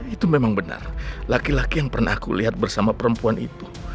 itu memang benar laki laki yang pernah aku lihat bersama perempuan itu